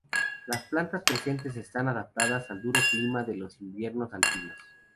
Las plantas presentes están adaptadas al duro clima de los inviernos alpinos.